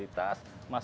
untuk memiliki kualitas